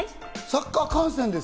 サッカー観戦で